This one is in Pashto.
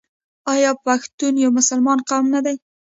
آیا پښتون یو مسلمان قوم نه دی؟